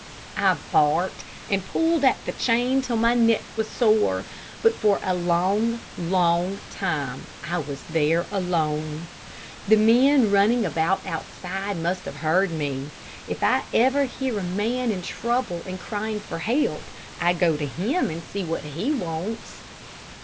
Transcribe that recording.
I barked and pulled at my chain till my neck was sore, but for a long, long time I was there alone. The men running about outside must have heard me. If ever I hear a man in trouble and crying for help I go to him and see what he wants.